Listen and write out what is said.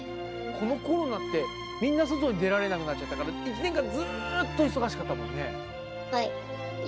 このコロナって、みんな外に出られなくなっちゃったから、１年間、ずーっと忙しかはい。